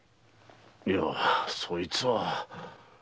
いやそいつは。